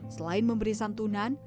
selain memberi santunan